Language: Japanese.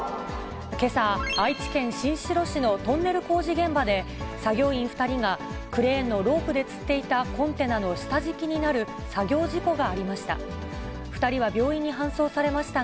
けさ、愛知県新城市のトンネル工事現場で、作業員２人がクレーンのロープでつっていたコンテナの下敷きになる作業事故がありました。